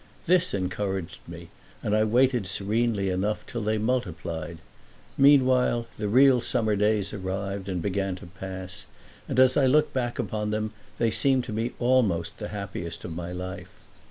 This encouraged me, and I waited serenely enough till they multiplied. Meanwhile the real summer days arrived and began to pass, and as I look back upon them they seem to me almost the happiest of my life.